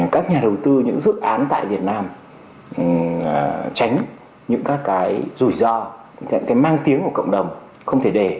các nhà đầu tư những dự án tại việt nam tránh những các cái rủi ro những cái mang tiếng của cộng đồng không thể để